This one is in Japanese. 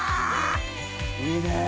いいね！